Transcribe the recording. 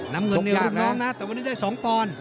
น้ำเงินนี่ลูกน้องนะแต่วันนี้ได้๒ปอนด์